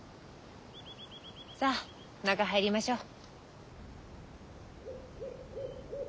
さあ中入りましょう。